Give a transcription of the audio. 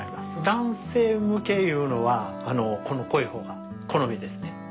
男性向けいうのはこの濃い方が好みですね。